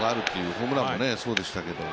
ホームランもそうでしたけど。